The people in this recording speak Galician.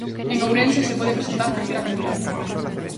"En Ourense se pode presentar calquera candidato".